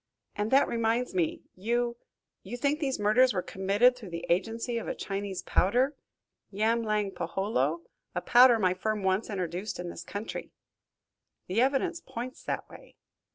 And that reminds me, you you think these murders were committed through the agency of a Chinese powder yamlang peholo a powder my firm once introduced in this country." "The evidence points that way."